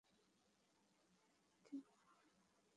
সম্পূর্ণ পাবলিক ভিউতে।